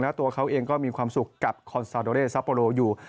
แล้วตัวเขาเองก็มีความสุขกับคอนซาโดเรซัปโปโลอยู่